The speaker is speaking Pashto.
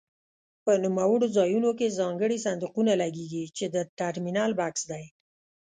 په نوموړو ځایونو کې ځانګړي صندوقونه لګېږي چې د ټرمینل بکس دی.